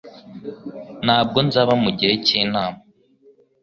Ntabwo nzaba mugihe cyinama